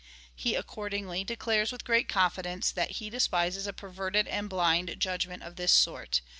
He, accordingly, declares with great confidence, that he de spises a perverted and blind judgment of this sort.